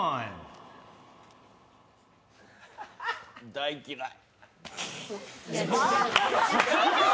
大嫌い。